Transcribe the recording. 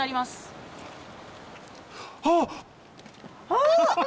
あっ！